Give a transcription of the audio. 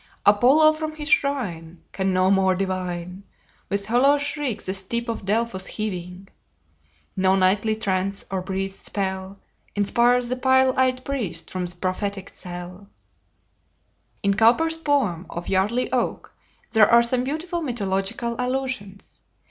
Apollo from his shrine Can no more divine, With hollow shriek the steep of Delphos heaving. No nightly trance or breathed spell Inspires the pale eyed priest from the prophetic cell" In Cowper's poem of "Yardley Oak" there are some beautiful mythological allusions.